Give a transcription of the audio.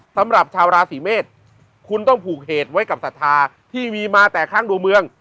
สำหรับชาวราศีเมษคุณต้องผูกเหตุไว้กับศรัทธาที่มีมาแต่ครั้งดวงเมือง